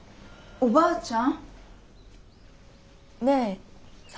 おばあちゃん。